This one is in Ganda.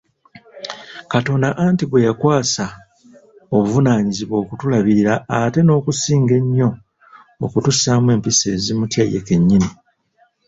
Katonda anti gwe yakwasa obuvunaanyizibwa okutulabirira ate n'okusinga ennyo okutussaamu empisa ezimutya ye kennyini.